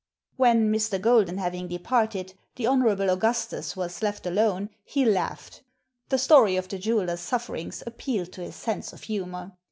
When, Mr. Golden having departed, the Hon. Augustus was left alone he laughed. The story of the jeweller's sufferings appealed to his sense of humour.